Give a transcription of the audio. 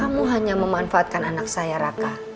kamu hanya memanfaatkan anak saya raka